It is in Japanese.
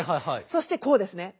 そしてこうですね。